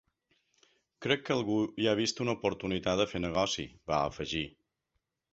Crec que algú hi ha vist una oportunitat de fer negoci, va afegir.